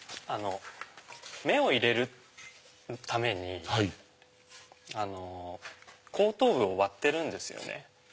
目を入れるために後頭部を割ってるんですよね。